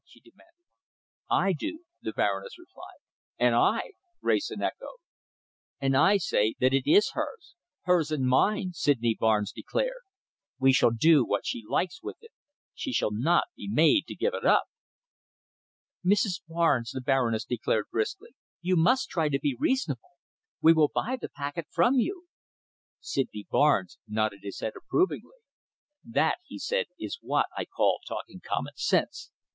she demanded. "I do," the Baroness replied. "And I!" Wrayson echoed. "And I say that it is hers hers and mine," Sydney Barnes declared. "She shall do what she likes with it. She shall not be made to give it up." "Mrs. Barnes," the Baroness declared briskly, "you must try to be reasonable. We will buy the packet from you." Sydney Barnes nodded his head approvingly. "That," he said, "is what I call talking common sense."